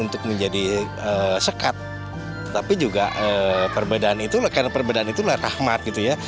untuk menjadi sekat tapi juga perbedaan itu karena perbedaan itulah rahmat gitu ya